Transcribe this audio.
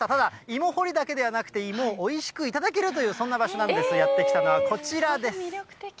芋掘りだけではなくて、芋をおいしく頂けるという、そんな場所なんです、やって来たのはこちらです。